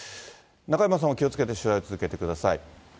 中山さんも気をつけて取材を続けてください。